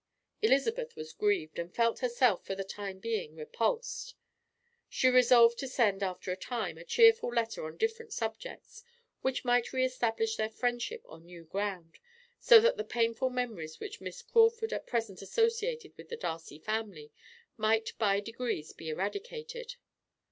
Elizabeth was grieved, and felt herself, for the time being, repulsed; she resolved to send, after a time, a cheerful letter on different subjects which might re establish their friendship on new ground, so that the painful memories which Miss Crawford at present associated with the Darcy family might by degrees be eradicated.